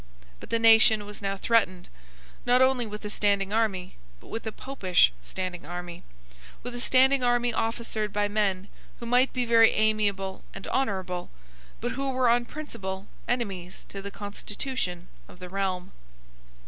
But the nation was now threatened, not only with a standing army, but with a Popish standing army, with a standing army officered by men who might be very amiable and honourable, but who were on principle enemies to the constitution of the realm.